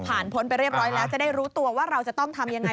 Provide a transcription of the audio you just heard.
พ้นไปเรียบร้อยแล้วจะได้รู้ตัวว่าเราจะต้องทำยังไง